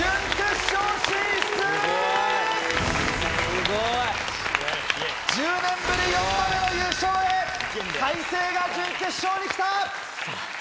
すごい！１０年ぶり４度目の優勝へ開成が準決勝に来た！